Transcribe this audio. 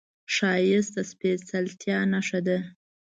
ښایست د سپېڅلتیا نښه ده